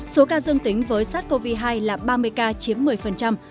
số ca dương tính với sars cov hai là ba mươi ca chiếm một mươi